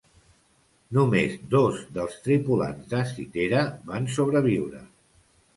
Només dos dels tripulants de "Cythera" van sobreviure.